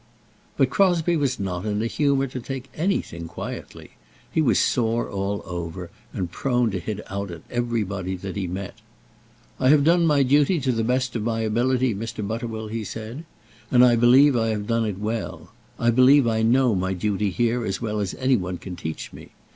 But Crosbie was not in a humour to take anything quietly. He was sore all over, and prone to hit out at everybody that he met. "I have done my duty to the best of my ability, Mr. Butterwell," he said, "and I believe I have done it well. I believe I know my duty here as well as any one can teach me.